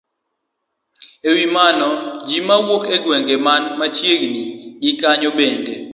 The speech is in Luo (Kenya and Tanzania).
E wi mano, ji mawuok e gwenge man machiegni gi kanyo bende